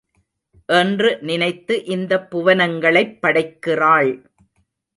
என்று நினைத்து இந்தப் புவனங்களைப் படைக்கிறாள்.